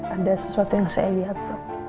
ada sesuatu yang saya lihat